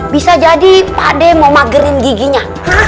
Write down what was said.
bisa jadi pade mau magerin giginya